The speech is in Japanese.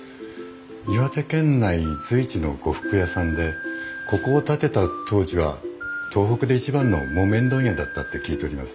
岩手県内随一の呉服屋さんでここを建てた当時は東北で一番の木綿問屋だったって聞いております。